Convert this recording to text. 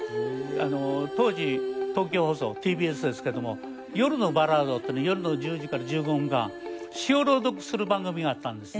当時東京放送ＴＢＳですけども『夜のバラード』って夜の１０時から１５分間詩を朗読する番組があったんですね。